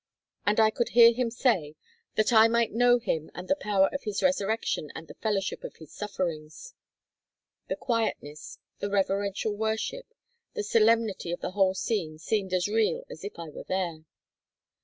And I could hear him say, "That I might know Him, and the power of His resurrection, and the fellowship of His sufferings." The quietness, the reverential worship, the solemnity of the whole scene seemed as real as if I were there.